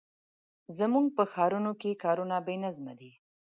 زموږ په ښارونو کې کارونه بې نظمه دي.